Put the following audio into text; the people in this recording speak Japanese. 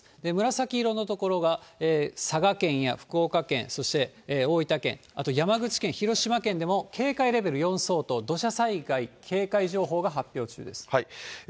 紫色の所が佐賀県や福岡県、そして大分県、あと山口県、広島県でも警戒レベル４相当、土砂災害警戒情報が発表中です。